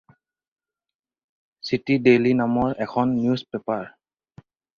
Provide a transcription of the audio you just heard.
City daily নামৰ এখন news paper.